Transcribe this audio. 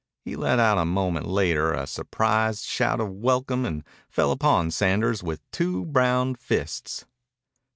He let out a moment later a surprised shout of welcome and fell upon Sanders with two brown fists.